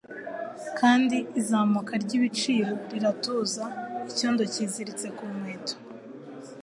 kandi izamuka ryibiciro riratuza Icyondo cyiziritse ku nkweto